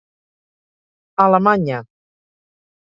Alemanya.